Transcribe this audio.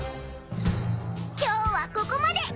今日はここまで！